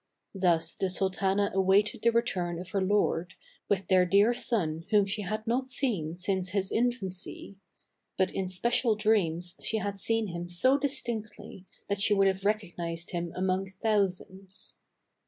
Thus the sultana awaited the return of her lord with their dear son whom she had not seen since his infancy ; but in special dreams she had seen him so distinctly 206 THE CAB AVAN. that she would have recognized him among thousands.